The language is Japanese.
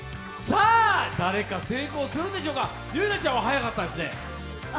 誰か成功するんでしょうか、結菜ちゃんは速かったですね。